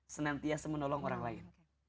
senantiasa menolong orang lain